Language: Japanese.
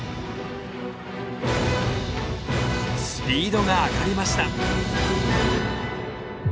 スピードが上がりました。